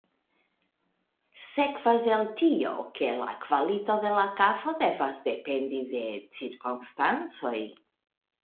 Sekvas el tio, ke la kvalito de la kafo devas dependi de cirkonstancoj.